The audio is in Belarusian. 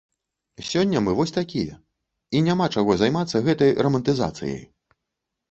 Сёння мы вось такія, і няма чаго займацца гэтай рамантызацыяй.